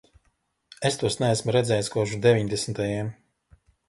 Es tos neesmu redzējis kopš deviņdesmitajiem.